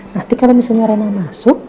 nanti kalau misalnya ronald masuk